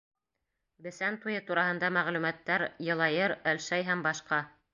Бесән туйы тураһында мәғлүмәттәр Йылайыр, Әлшәй һәм башҡа